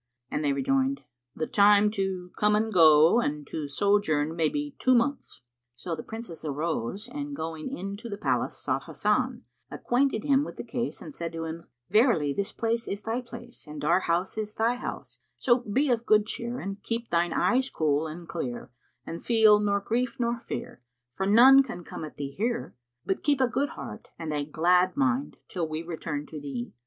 and they rejoined, "The time to come and go, and to sojourn may be two months." So the Princesses arose and going in to the palace sought Hasan, acquainted him with the case and said to him, "Verily this place is thy place and our house is thy house; so be of good cheer and keep thine eyes cool and clear and feel nor grief nor fear, for none can come at thee here; but keep a good heart and a glad mind, till we return to thee.